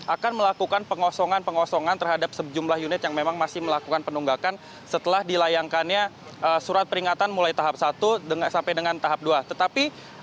akan melakukan pengosongan pengosongan terhadap sejumlah unit yang memang masih melakukan penunggakan setelah dilayangkannya surat peringatan mulai tahap satu sampai dengan tahap dua